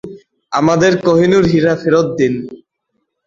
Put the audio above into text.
আমাদের কোহিনূর হীরা ফেরত দিন!